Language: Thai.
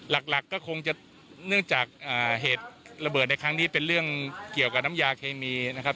หลักก็คงจะเนื่องจากเหตุระเบิดในครั้งนี้เป็นเรื่องเกี่ยวกับน้ำยาเคมีนะครับ